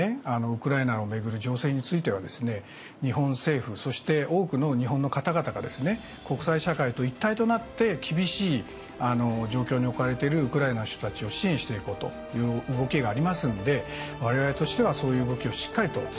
ウクライナを巡る情勢についてはですね日本政府そして多くの日本の方々がですね国際社会と一体となって厳しい状況に置かれてるウクライナの人たちを支援していこうという動きがありますので我々としてはそういう動きをしっかりと伝えていきたいと思っております。